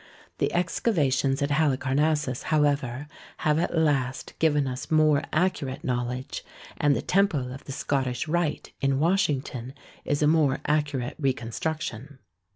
The excava tions at Halicarnassus, however, have at last given us more accurate knowledge, and the Temple of the Scottish Rite in Washington is a more accurate reconstruction.